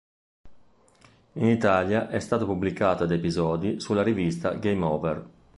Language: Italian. In Italia è stato pubblicato ad episodi sulla rivista Game Over.